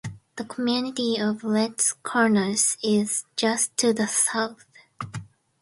The community of Letts Corners is just to the south.